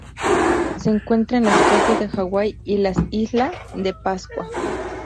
Se encuentra en las costas de Hawaii y las la Isla de Pascua.